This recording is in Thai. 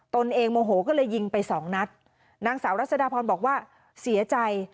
ตนเองโมโหก็เลยยิงไปสองนัดนางสาวรัศดาพรบอกว่าเสียใจ